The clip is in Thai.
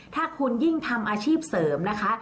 ถ้าคุณยิ่งทำอาชีพเสริมนะคะ